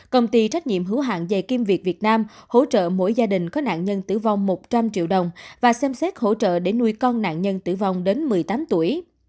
công ty trách nhiệm hữu hạng dày kim việt việt nam hỗ trợ mỗi gia đình có nạn nhân tử vong một trăm linh triệu đồng và xem xét hỗ trợ để nuôi con nạn nhân tử vong đến một mươi tám tuổi